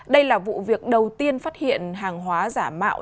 đây là vụ việc đầu tiên phát hiện hàng hóa giả mạo